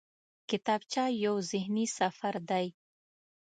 کتابچه یو ذهني سفر دی